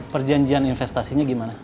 perjanjian investasinya gimana